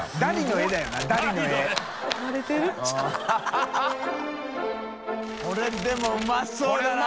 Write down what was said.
海でもうまそうだな。